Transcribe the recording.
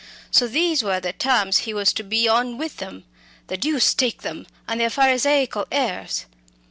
So these were the terms he was to be on with them the deuce take them and their pharisaical airs!